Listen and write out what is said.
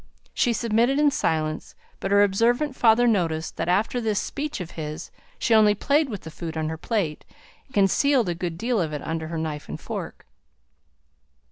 She submitted in silence; but her observant father noticed that after this speech of his, she only played with the food on her plate, and concealed a good deal of it under her knife and fork.